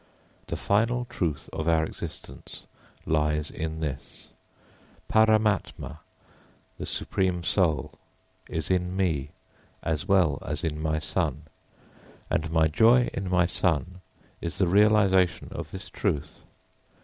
The final truth of our existence lies in this. Paramātmā, the supreme soul, is in me, as well as in my son, and my joy in my son is the realisation of this truth.